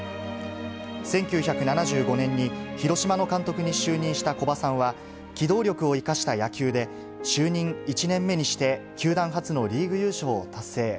１９７５年に広島の監督に就任した古葉さんは、機動力を生かした野球で、就任１年目にして、球団初のリーグ優勝を達成。